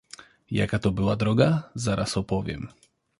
"Jaka to była droga, zaraz opowiem."